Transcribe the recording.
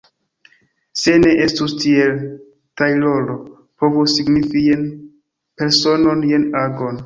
Se ne estus tiel, tajloro povus signifi jen personon, jen agon.